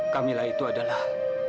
kamilah itu adalah